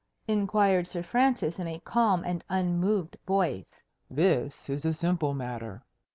inquired Sir Francis in a calm and unmoved voice. "This is a simple matter."